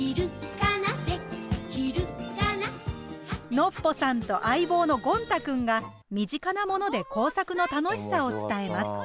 ノッポさんと相棒のゴン太くんが身近なもので工作の楽しさを伝えます。